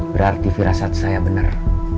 berarti firasat saya benar